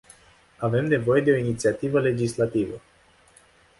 Avem nevoie de o inițiativă legislativă.